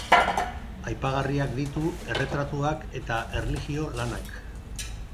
Aipagarriak ditu erretratuak eta erlijio-lanak.